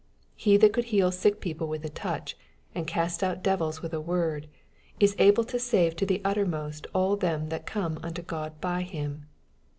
He that could heal sick people with a touch, and cast out devils with a word, is " able to save to the uttermost all them that come unto God by Him."